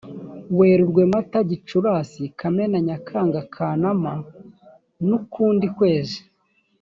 werurwe mata gicurasi kamena nyakanga kanama n ukundi kwezi